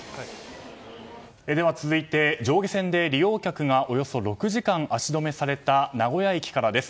では続いて上下線で利用客がおよそ６時間足止めされた名古屋駅からです。